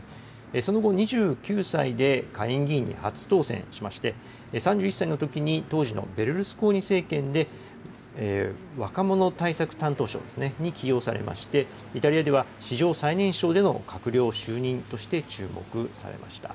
その後、２９歳で下院議員に初当選しまして、３１歳のときに当時のベルルスコーニ政権で若者対策担当相に起用されまして、イタリアでは史上最年少での閣僚就任として注目されました。